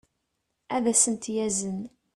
ad as-ten-yazen